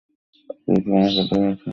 কেউ কোনো কথা বলছে না।